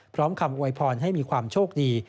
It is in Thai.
พร้อมคำโอไวพรให้มีความโชคดี